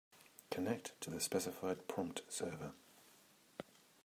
Connect to the specified prompt server.